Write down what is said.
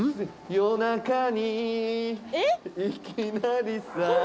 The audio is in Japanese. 夜中にいきなりさ